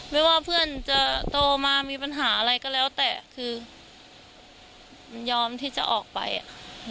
ไม่ว่าเพื่อนจะโตมามีปัญหาอะไรก็แล้วแต่คือมันยอมที่จะออกไปอ่ะ